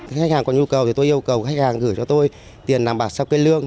các khách hàng có nhu cầu thì tôi yêu cầu khách hàng gửi cho tôi tiền làm bạc sau cây lương